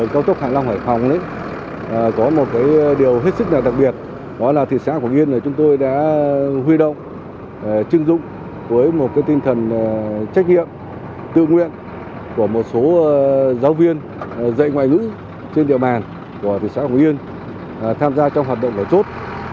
có một điều rất đặc biệt thị xã quảng yên đã huy động chứng dụng với một tinh thần trách nhiệm tự nguyện của một số giáo viên dạy ngoại ngữ trên địa bàn của thị xã quảng yên tham gia trong hoạt động của chốt